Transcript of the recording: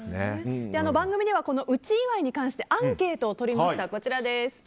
番組では内祝いに関してアンケートをとりました。